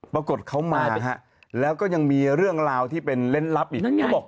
ปรากฏเขามาฮะแล้วก็ยังมีเรื่องราวที่เป็นเล่นลับอีกเขาบอก